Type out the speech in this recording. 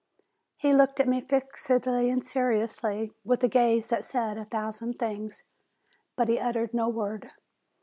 He looked at me fixedly and seriously, with a gaze that said a thousand things, but he uttered no word.